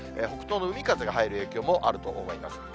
北東の海風が入る影響もあると思います。